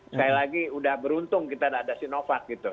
sekali lagi sudah beruntung kita ada sinovac